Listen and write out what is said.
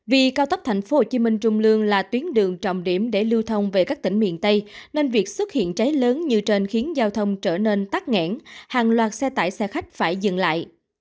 vì cao tốc thành phố hồ chí minh trung lương là tuyến đường trọng điểm để lưu thông về các tỉnh miền tây nên việc xuất hiện cháy lớn như trên khiến giao thông trở nên tắt ngãn hàng loạt xe tải xe khách phải dừng lại